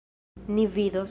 Ni vidos!